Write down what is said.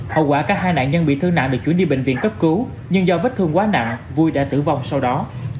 hậu quả cả hai nạn nhân bị thương nặng được chuyển đi bệnh viện cấp cứu nhưng do vết thương quá nặng vui đã tử vong sau đó